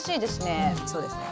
うんそうですね。